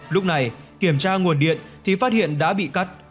lúc này kiểm tra nguồn điện thì phát hiện đã bị cắt